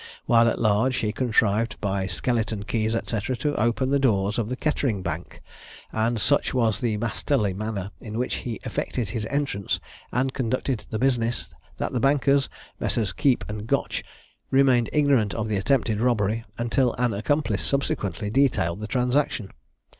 While at large, he contrived, by skeleton keys, &c., to open the doors of the Kettering bank; and such was the masterly manner in which he effected his entrance, and conducted the business, that the bankers, Messrs. Keep and Gotch, remained ignorant of the attempted robbery, until an accomplice subsequently detailed the transaction.